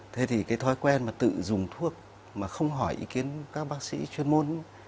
thế thì cái thói quen mà tự dùng thuốc mà không hỏi ý kiến các bác sĩ chuyên môn